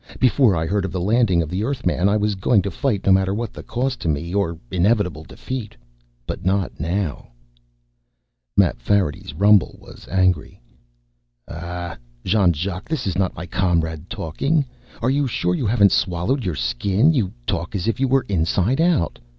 Before I heard of the landing of the Earthman I was going to fight no matter what the cost to me or inevitable defeat. But not now." Mapfarity's rumble was angry. "Ah, Jean Jacques, this is not my comrade talking. Are you sure you haven't swallowed your Skin? You talk as if you were inside out.